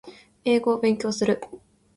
英語を勉強する